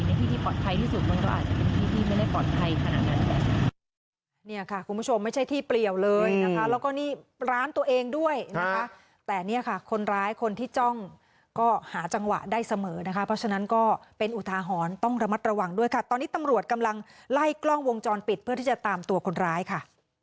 ในที่ที่ปลอดภัยที่สุดมันก็อาจจะเป็นที่ที่ไม่ได้ปลอดภัยขนาดนั้น